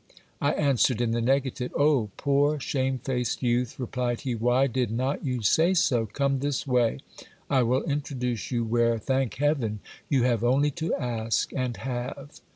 I answered in the negative. Oh ! poor shamefaced youth, Teplied he, why did not you say so? Come this way : I will introduce you where, thank heaven, you have only to ask and have.